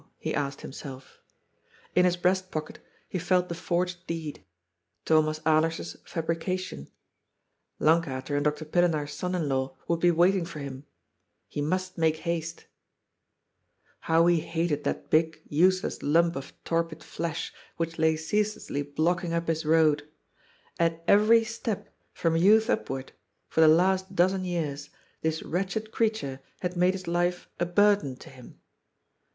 he asked himself. In his breast pocket he felt the forged deed, Thomas SHOEMAKER, STICK TO THY LAST. 421 Alers's fabrication. Lankater and Dr. Pillenaar's8on<in law would be waiting for him. He must make haste. How he hated that big, useless lump of torpid flesh, which lay ceaselessly blocking up his road. At every step, from youth upward — for the last dozen years — this wretched creature had made his life a burden to him.